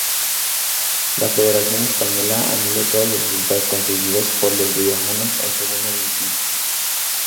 La Federación Española anuló todos los resultados conseguidos por los riojanos en Segunda División.